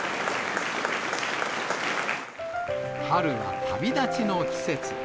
春は旅立ちの季節。